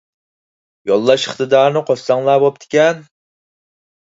يوللاش ئىقتىدارىنى قوشساڭلار بوپتىكەن.